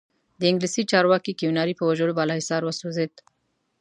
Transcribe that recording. د انګلیسي چارواکي کیوناري په وژلو بالاحصار وسوځېد.